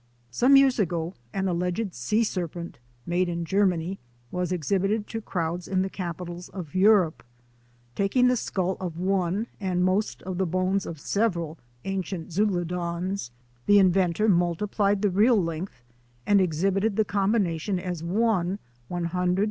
Some yeais ago an alleged sea serpent — made in Germany — was exhibited to crowds in the capi tals of Europe. Taking the skull of one and most of the bones of several ancient Zeuglodons, the in ventor multiplied the real length and exhibited the combination as one 114 foot skeleton.